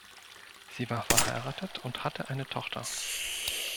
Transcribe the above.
Sie war verheiratet und hatte eine Tochter.